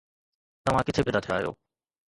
توهان ڪٿي پيدا ٿيا آهيو